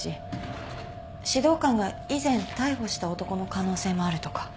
指導官が以前逮捕した男の可能性もあるとか。